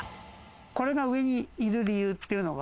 これが上にいる理由っていうのが